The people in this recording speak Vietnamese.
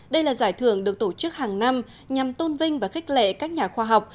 đây là giải thưởng được tổ chức hàng năm nhằm tôn vinh và khích lệ các nhà khoa học